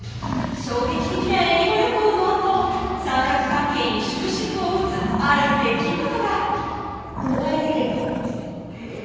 衝撃的なえりも旅行のあと三角関係に終止符を打つある出来事がまた大事件が起きましてえぇっ？